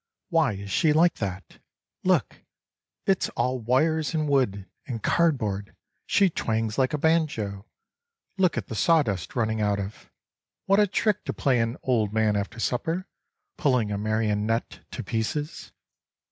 Why is she like that ? Look ! it's all wires and wood and card board; she twangs like a banjo; look at the sawdust running out of .... What a trick to play an old man after supper; pulling a marionette to pieces.